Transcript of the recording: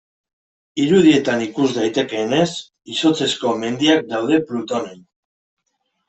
Irudietan ikus daitekeenez, izotzezko mendiak daude Plutonen.